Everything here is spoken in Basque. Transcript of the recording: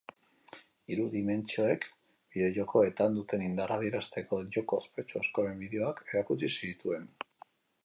Hiru dimentsioek bideojokoetan duten indarra adierazteko joko ospetsu askoren bideoak erakutsi zituen.